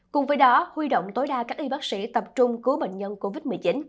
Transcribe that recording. cùng với đó huy động tối đa các y bác sĩ tập trung cứu bệnh nhân covid một mươi chín